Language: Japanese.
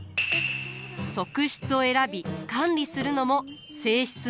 側室を選び管理するのも正室の役目。